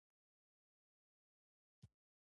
په ډاډه زړه به په کې څرېدل.